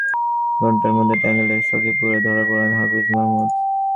অবশ্য পালিয়ে যাওয়ার সাড়ে চার ঘণ্টার মধ্যে টাঙ্গাইলের সখীপুরে ধরা পড়েন হাফেজ মাহমুদ।